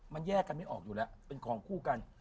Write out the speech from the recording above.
มันแยกกันไม่ออกอยู่แล้วเป็นของคู่กัน